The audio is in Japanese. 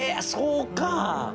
そうか。